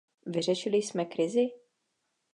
Vyřešili jsme krizi?